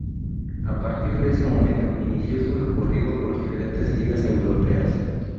A partir de ese momento, inició su recorrido por diferentes ligas europeas.